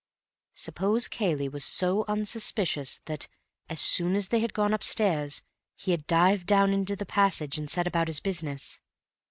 Suppose Cayley was so unsuspicious that, as soon as they had gone upstairs, he had dived down into the passage and set about his business.